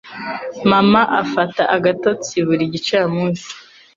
Mama afata agatotsi buri gicamunsi.